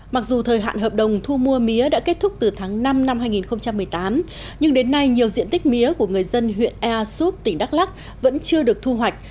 mặc dù thời hạn hợp đồng thu mua mía đã kết thúc từ tháng năm năm hai nghìn một mươi tám nhưng đến nay nhiều diện tích mía của người dân huyện ea súp tỉnh đắk lắc vẫn chưa được thu hoạch